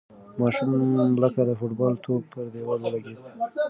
ماشوم لکه د فوټبال توپ پر دېوال ولگېد.